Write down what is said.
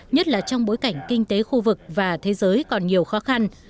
nhất là trong bối cảnh kinh tế khu vực và thế giới còn nhiều khó khăn